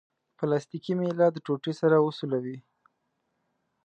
پلاستیکي میله د ټوټې سره وسولوئ.